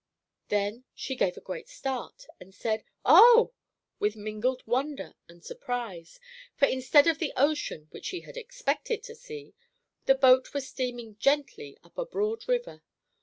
Then she gave a great start, and said, "Oh!" with mingled wonder and surprise; for, instead of the ocean which she had expected to see, the boat was steaming gently up a broad river.